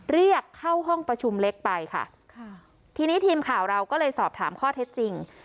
เรียกเข้าห้องประชุมเล็กไปค่ะค่ะทีนี้ทีมข่าวเราก็เลยสอบถามข้อเท็จจริง